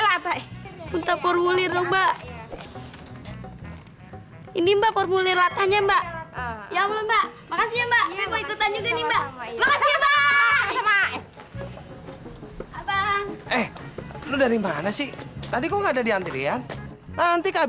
sampai jumpa di video selanjutnya